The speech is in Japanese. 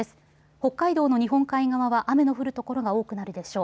北海道の日本海側は雨の降る所が多くなるでしょう。